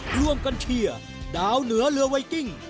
ร่วมกันเชียร์ดาวเหนือเรือไวกิ้ง